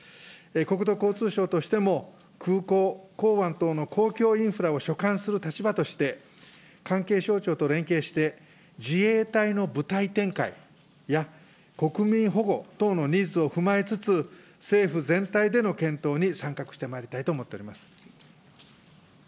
国土交通省としても、空港、港湾等の公共インフラを所管する立場として、関係省庁と連携して、自衛隊の部隊展開や国民保護等のニーズを踏まえつつ、政府全体での検討に参画してまいりたいと思っております。